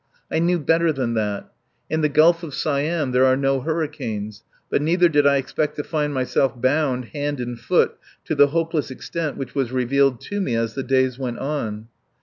I knew better than that. In the Gulf of Siam there are no hurricanes. But neither did I expect to find myself bound hand and foot to the hopeless extent which was revealed to me as the days went on.